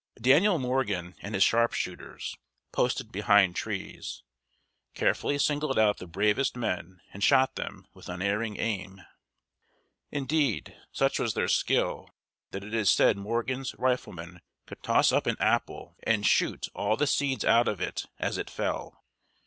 Daniel Morgan and his sharpshooters, posted behind trees, carefully singled out the bravest men, and shot them with unerring aim. Indeed, such was their skill that it is said Morgan's riflemen could "toss up an apple and shoot all the seeds out of it as it fell."